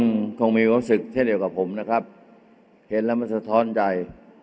คงมีความรู้สึกเช่นเดียวกับผมนะครับเห็นแล้วมันสะท้อนใจ